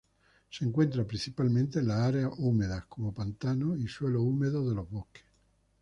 Se encuentra principalmente en áreas húmedas, como pantanos y suelos húmedos de los bosques.